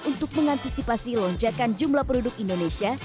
untuk mengantisipasi lonjakan jumlah penduduk indonesia